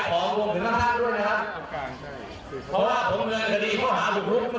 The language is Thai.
ในภัยประโยชน์อาณาจาก็ต่อเดือนแล้วพักผ่ำ